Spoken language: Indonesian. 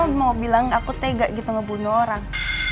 terus mama mau bilang aku tega gitu ngebunuh orang